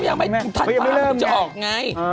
เขายังไม่เริ่มไงทันวานมันจะออกไง